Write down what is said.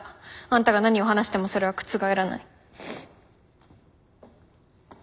あんたが何を話してもそれは覆らない。